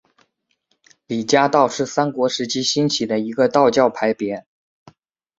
李家道是三国时期兴起的一个道教派别。